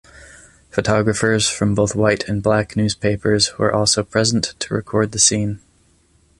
Photographers from both white and Black newspapers were also present to record the scene.